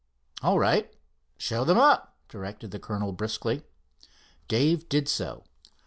"All right, show them up," directed the colonel briskly. Dave did so.